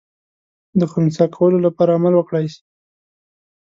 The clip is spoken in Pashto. د خنثی کولو لپاره عمل وکړای سي.